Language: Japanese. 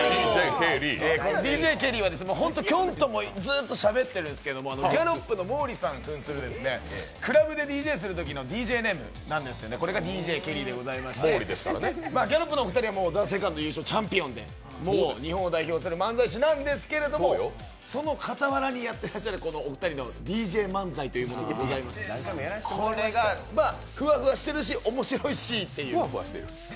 ＤＪＫＥＬＬＹはきょんともずっとしゃべってるんですけど、ギャロップの毛利さんふんするクラブでＤＪするときのＤＪネームなんですよね、これがＤＪＫＥＬＬＹでございましてギャロップのお二人は「ＴＨＥＳＥＣＯＮＤ」優勝のチャンピオンでございまして、日本を代表する漫才師なんですけれども、その傍らにやってらっしゃるお二人のＤＪ漫才というものがありましてこれが、フワフワしてるし面白いしという。